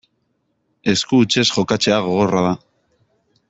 Esku hutsez jokatzea gogorra da.